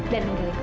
dan menggelik kamu